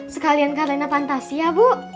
sekalian karena fantasia bu